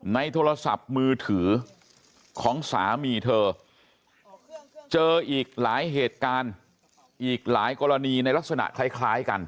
โทรศัพท์มือถือของสามีเธอเจออีกหลายเหตุการณ์อีกหลายกรณีในลักษณะคล้ายกัน